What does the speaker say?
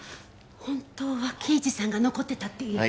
本当は刑事さんが残ってたっていう？